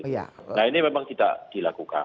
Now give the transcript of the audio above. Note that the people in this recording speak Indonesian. nah ini memang tidak dilakukan